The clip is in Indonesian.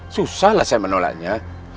susahlah saya menolaknya